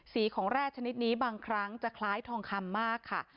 สีของแร่ชนิดนี้บางครั้งจะคล้ายทองคำมากค่ะ